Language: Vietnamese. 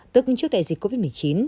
tức trước đại dịch covid một mươi chín